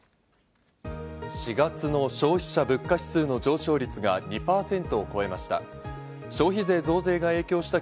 ４月の消費者物価指数の上昇率が２％を超えました。